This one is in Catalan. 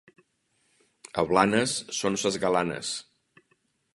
A Blanes són ses galanes.